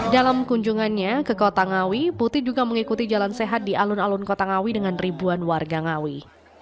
dalam kunjungannya ke kota ngawi putih juga mengikuti jalan sehat di alun alun kota ngawi dengan ribuan warga ngawi